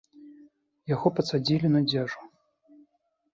Яго пасадзілі на дзяжу.